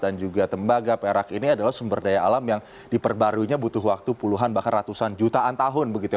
dan juga tembaga perak ini adalah sumber daya alam yang diperbaruinya butuh waktu puluhan bahkan ratusan jutaan tahun begitu ya